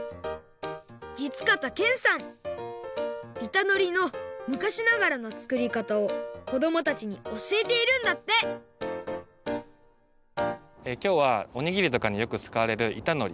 いたのりのむかしながらのつくりかたをこどもたちにおしえているんだってきょうはおにぎりとかによくつかわれるいたのり